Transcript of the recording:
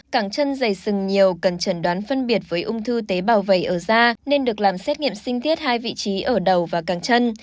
cẳng chân dày sừng nhiều cần trần đoán phân biệt với ung thư tế bào vầy ở da nên được làm xét nghiệm sinh tiết hai vị trí ở đầu và cẳng chân